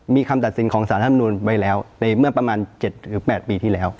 มีคำตัดสินของสารธรรมนุนไว้แล้วในเมื่อประมาณ๗๘ปีที่แล้ว